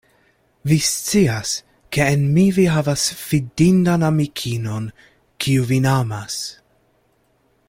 Vi scias, ke en mi vi havas fidindan amikinon, kiu vin amas.